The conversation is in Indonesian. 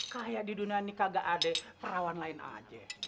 kayak di dunia nikah gak ada perawan lain aja